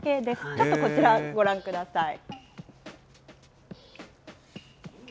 ちょっとこちらをご覧ください。